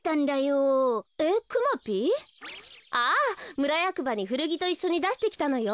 むらやくばにふるぎといっしょにだしてきたのよ。